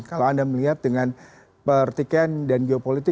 kalau anda melihat dengan pertikaian dan geopolitik